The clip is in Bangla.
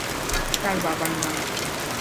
তার বাবার নাম।